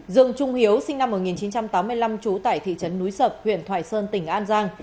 dương trung hiếu sinh năm một nghìn chín trăm tám mươi năm trú tại thị trấn núi sập huyện thoại sơn tỉnh an giang